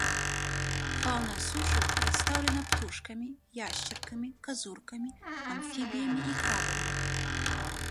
Фаўна сушы прадстаўлена птушкамі, яшчаркамі, казуркамі, амфібіямі і крабамі.